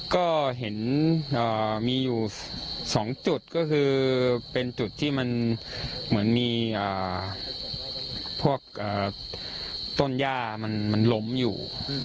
ก็เห็นเอ่อมีอยู่สองจุดก็คือมีจุดที่มันเหมือนมีเอ่อพวกเอ่อต้นยามันล้มอยู่